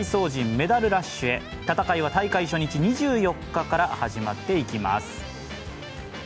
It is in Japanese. メダルラッシュへ戦いは大会初日２４日から始まっていきます。